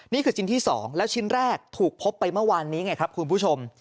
นี่คือชิ้นที่๒แล้วชิ้นแรกถูกพบไปเมื่อวานนี้ไงครับคุณผู้ชม